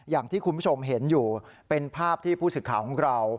อย่างที่คุณผู้ชมเห็นอยู่เป็นภาพที่ผู้สื่อข่าวของเรา